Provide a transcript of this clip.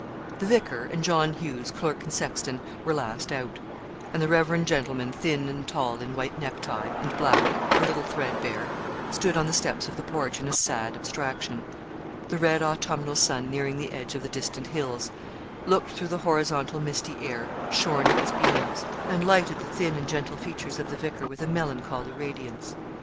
The vicar, and John Hughes, clerk and sexton, were last out; and the reverend gentleman, thin and tall, in white necktie, and black, a little threadbare, stood on the steps of the porch, in a sad abstraction. The red autumnal sun nearing the edge of the distant hills, Looked through the horizontal misty air Shorn of its beams and lighted the thin and gentle features of the vicar with a melancholy radiance.